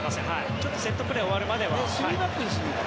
ちょっとセットプレー終わるまでは。